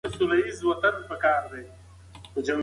موږ به دا پور ادا کوو.